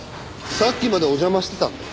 さっきまでお邪魔してたんで。